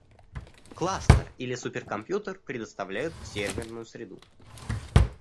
Кластер или суперкомпьютер предоставляют серверную среду